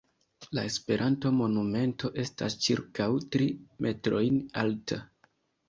La Esperanto monumento estas ĉirkaŭ tri metrojn alta.